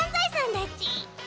だち。